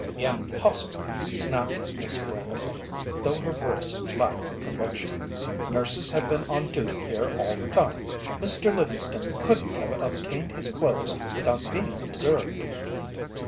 "Impossible!" snapped Miss Brent, though her voice lacked conviction. "Nurses have been on duty here all the time. Mr. Livingston couldn't have obtained his clothes without being observed."